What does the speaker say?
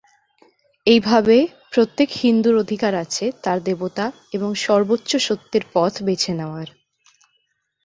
এইভাবে, প্রত্যেক হিন্দুর অধিকার আছে তার দেবতা এবং "সর্বোচ্চ সত্যের" পথ বেছে নেওয়ার।